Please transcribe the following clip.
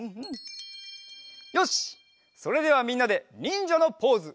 よしそれではみんなでにんじゃのポーズ。